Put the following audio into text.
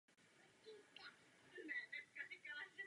I to se mu zdálo příliš.